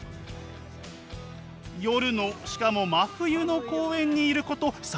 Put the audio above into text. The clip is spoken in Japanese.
夜のしかも真冬の公園にいること３０分近く。